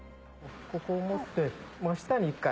ここを持って真下に一回。